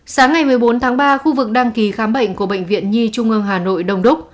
sáng ngày một mươi bốn tháng ba khu vực đăng ký khám bệnh của bệnh viện nhi trung ương hà nội đông đúc